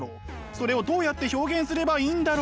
「それをどうやって表現すればいいんだろう？」。